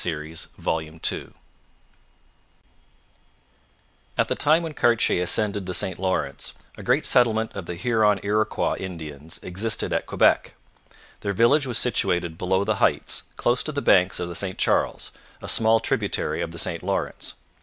CHAPTER V THE SECOND VOYAGE STADACONA At the time when Cartier ascended the St Lawrence, a great settlement of the Huron Iroquois Indians existed at Quebec. Their village was situated below the heights, close to the banks of the St Charles, a small tributary of the St Lawrence.